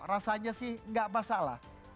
rasanya sih nggak masalah